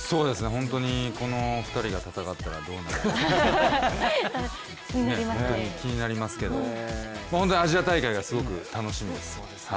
この２人が戦ったらどうなるかねえ、本当に気になりますけどアジア大会がすごく楽しみです。